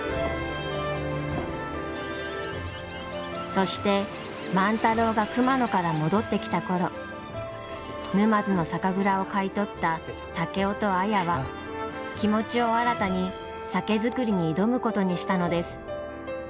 そして万太郎が熊野から戻ってきた頃沼津の酒蔵を買い取った竹雄と綾は気持ちを新たに酒造りに挑むことにしたのです。